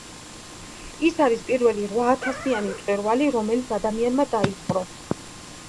ის არის პირველი რვაათასიანი მწვერვალი, რომელიც ადამიანმა დაიპყრო.